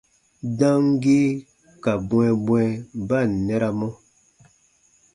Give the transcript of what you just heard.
Damgii ka bwɛ̃ɛbwɛ̃ɛ ba ǹ nɛramɔ.